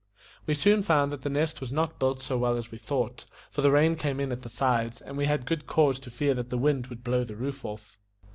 We soon found that The Nest was not built so well as we thought, for the rain came in at the sides, and we had good cause to fear that the wind would blow the roof off.